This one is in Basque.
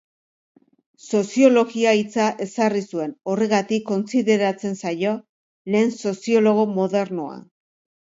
Soziologia hitza ezarri zuen, horregatik kontsideratzen zaio lehen soziologo modernoa.